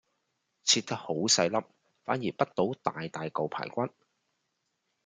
切得好細粒，反而潷到大大嚿排骨